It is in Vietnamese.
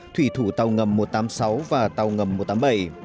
thủy thủ tàu ngầm một trăm tám mươi sáu và tàu ngầm một trăm tám mươi bảy